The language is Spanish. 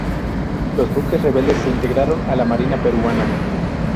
Los buques rebeldes se integraron a la Marina peruana.